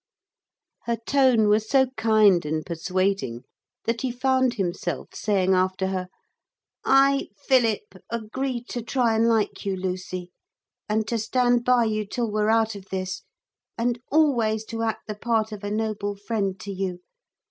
Her tone was so kind and persuading that he found himself saying after her, 'I, Philip, agree to try and like you, Lucy, and to stand by you till we're out of this, and always to act the part of a noble friend to you.